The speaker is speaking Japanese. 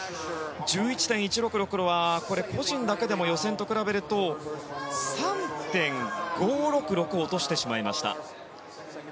１１．１６６は、個人だけでも予選と比べると３．５６６落としてしまいました。